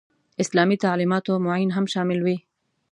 اسلامي تعلیماتو معین هم شامل وي.